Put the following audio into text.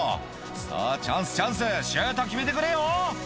「さぁチャンスチャンスシュート決めてくれよ」